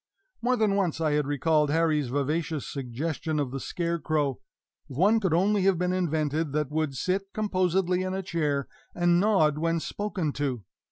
More than once I had recalled Harry's vivacious suggestion of the scarecrow if one could only have been invented that would sit composedly in a chair and nod when spoken to!